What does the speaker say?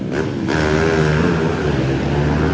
ครับ